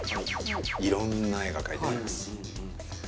色んな絵が描いてあります